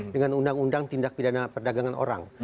dengan undang undang tindak pidana perdagangan orang